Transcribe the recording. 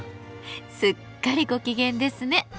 すっかりご機嫌ですね！